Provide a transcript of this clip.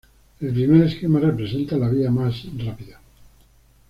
El primer esquema representa la vía más rápida.